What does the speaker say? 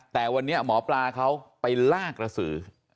แต่วันนี้หมอปลาเขาไปลากกระสือ